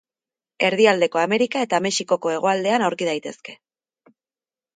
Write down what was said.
Erdialdeko Amerika eta Mexikoko hegoaldean aurki daitezke.